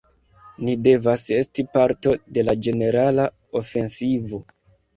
Ni devas esti parto de la ĝenerala ofensivo.